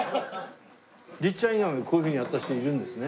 律ちゃん以外にもこういうふうにやった人いるんですね？